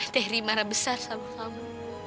terry marah besar sama kamu